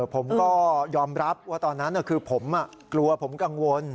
ผมก็ยอมรับว่าตอนนั้นคือผมกลัวผมกังวล